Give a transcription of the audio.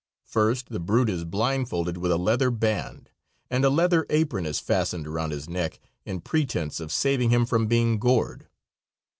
First the brute is blindfolded with a leather band, and a leather apron is fastened around his neck in pretense of saving him from being gored.